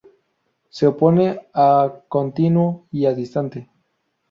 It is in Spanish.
Se opone a continuo y a distante.